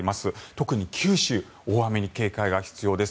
特に九州大雨に警戒が必要です。